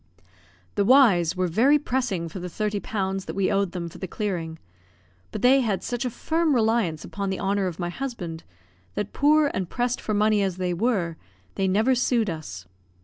The Y y's were very pressing for the thirty pounds that we owed them for the clearing; but they had such a firm reliance upon the honour of my husband, that, poor and pressed for money as they were, they never sued us.